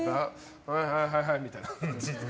はいはいみたいな。